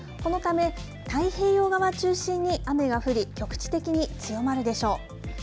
このため太平洋側を中心に雨が降り局地的に強まるでしょう。